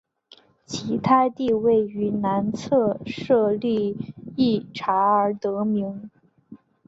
因其地位于南侧设立隘寮而得名。